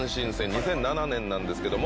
２００７年なんですけども。